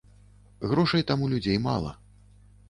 Грошай там у людзей мала.